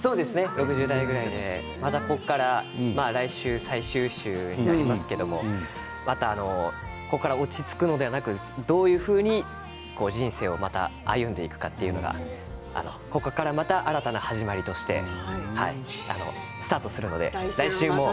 ６０代ぐらいでまたここから来週、最終週になりますけれどここから落ち着くのではなくどういうふうに人生を歩んでいくかというのがここからまた新たな始まりとしてスタートするので来週も。